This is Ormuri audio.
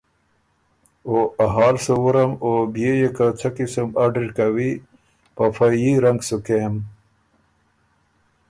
او ا حال سُو وُرم او بيې يې که څۀ قسُم اډِر کوی په فه يي رنګ سُو کېم